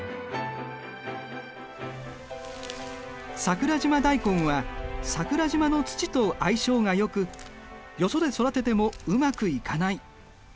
桜島大根は桜島の土と相性がよくよそで育ててもうまくいかない。